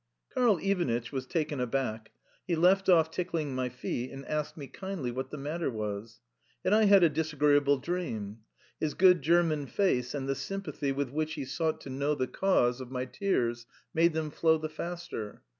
Karl Ivanitch was taken aback. He left off tickling my feet, and asked me kindly what the matter was. Had I had a disagreeable dream? His good German face and the sympathy with which he sought to know the cause of my tears made them flow the faster.